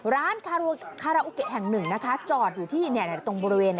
ร้านคาราโอเกะแห่งหนึ่งนะคะจอดอยู่ที่ตรงบริเวณ